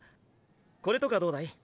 これとかどうだい？